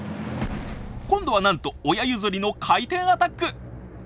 今度はなんと親譲りの回転アタック！